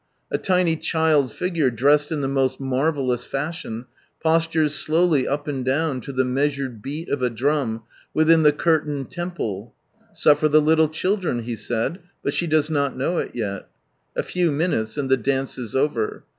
A tiny child figure, dressed in the most marvellous fashion, postures slowly up and down to the measured beat of a drum within the curtained temple. "Suffer the little children." He said, but she does not know it yeL A few minutes and the dance is over.